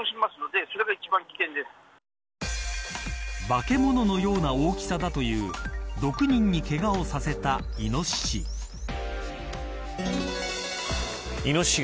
化け物のような大きさだという６人にけがをさせたイノシシ。